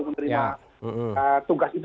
menerima tugas itu